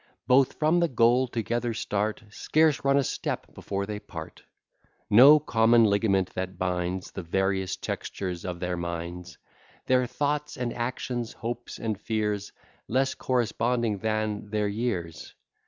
Both from the goal together start; Scarce run a step before they part; No common ligament that binds The various textures of their minds; Their thoughts and actions, hopes and fears, Less corresponding than their years.